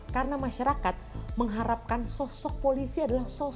karena masyarakat mengharapkan sosok polisi adalah sosok yang sangat berat